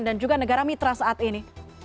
dan juga negara mitra saat ini